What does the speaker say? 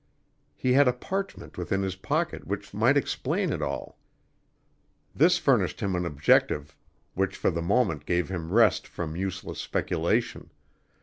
He had a parchment within his pocket which might explain it all! This furnished him an objective which for the moment gave him rest from useless speculation.